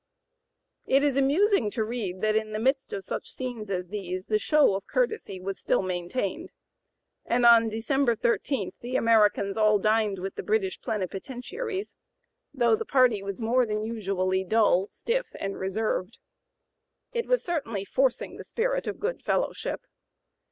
It is amusing to read that in the midst of such scenes as these the (p. 092) show of courtesy was still maintained; and on December 13 the Americans "all dined with the British Plenipotentiaries," though "the party was more than usually dull, stiff, and reserved." It was certainly forcing the spirit of good fellowship.